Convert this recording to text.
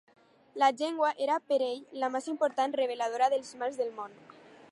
La llengua era per ell la més important reveladora dels mals del món.